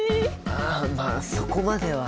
ああまあそこまでは。